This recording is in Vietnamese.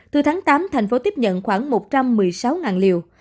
từ tháng tám tp hcm tiếp nhận khoảng một trăm một mươi sáu liều